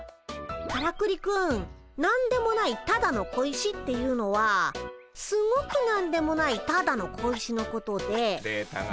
からくりくん何でもないただの小石っていうのはすごく何でもないただの小石のことで。